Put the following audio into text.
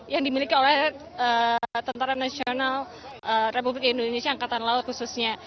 yang dimiliki oleh tentara nasional republik indonesia angkatan laut khususnya